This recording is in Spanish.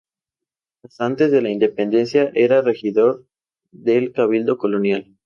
Hasta antes de la independencia era el Regidor del Cabildo Colonial.